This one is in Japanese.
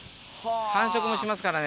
繁殖もしますからね。